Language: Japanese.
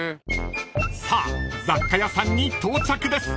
［さあ雑貨屋さんに到着です］